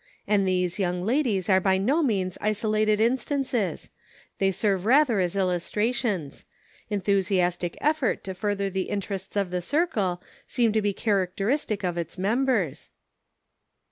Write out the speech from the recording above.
And these young ladies are by no means isolated instances ; they serve rather as illustrations ; enthusiastic effort to further the interests of the circle, seem to be characteristic of its members."